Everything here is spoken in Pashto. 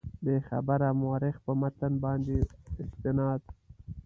بېخبره مورخ په متن باندې استناد.